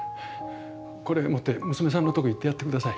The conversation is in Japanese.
これ持って娘さんのとこ行ってやってください。